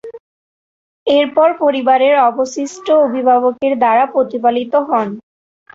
এরপর পরিবারের অবশিষ্ট অভিভাবকের দ্বারা প্রতিপালিত হন।